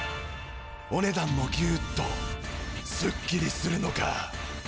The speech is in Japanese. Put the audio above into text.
お値段もギューッとすっきりするのか！？